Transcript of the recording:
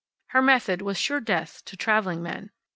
Her method was sure death to traveling men.